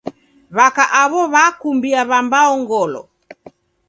W'aka aw'o w'akumbia w'ambao ngolo.